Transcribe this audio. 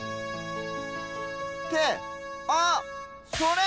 ってあっそれ！